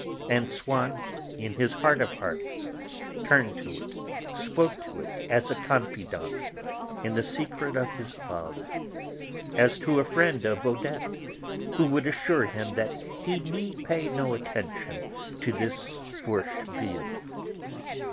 And Swann, in his heart of hearts, turned to it, spoke to it as to a confidant in the secret of his love, as to a friend of Odette who would assure him that he need pay no attention to this Forcheville.